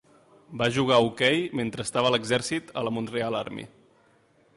Va jugar a hoquei mentre estava a l'exèrcit a la Montreal Army.